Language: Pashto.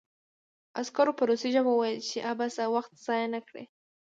عسکر په روسي ژبه وویل چې عبث وخت ضایع نه کړي